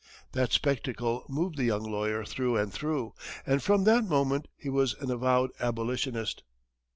That spectacle moved the young lawyer through and through, and from that moment he was an avowed Abolitionist.